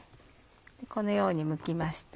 このようにむきました。